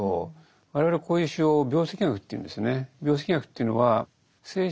我々こういう手法を病跡学というんですね。